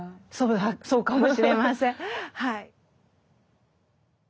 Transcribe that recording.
そうかもしれませんはい。